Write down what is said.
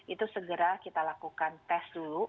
itu segera kita lakukan tes dulu